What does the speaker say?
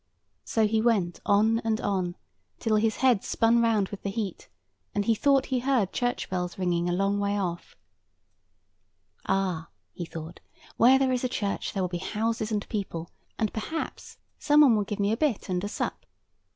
So he went on and on, till his head spun round with the heat, and he thought he heard church bells ringing a long way off. "Ah!" he thought, "where there is a church there will be houses and people; and, perhaps, some one will give me a bit and a sup."